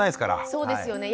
そうですよね。